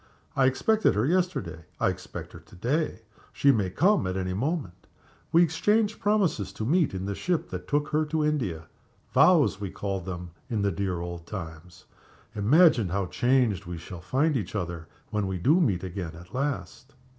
I expected her yesterday; I expect her to day she may come at any moment. We exchanged promises to meet, in the ship that took her to India 'vows' we called them in the dear old times. Imagine how changed we shall find each other when we do meet again at last!"